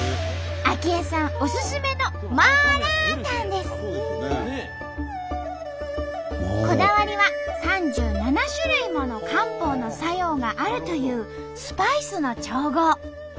あき恵さんおすすめのこだわりは３７種類もの漢方の作用があるというスパイスの調合。